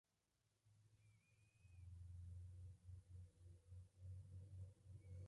Los ortodoxos rumanos, aunque tolerados, no contaban con representantes en aquella asamblea.